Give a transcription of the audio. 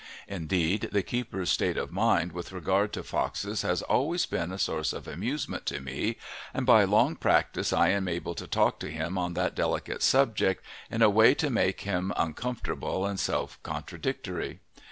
Indeed, the keeper's state of mind with regard to foxes has always been a source of amusement to me, and by long practice I am able to talk to him on that delicate subject in a way to make him uncomfortable and self contradictory.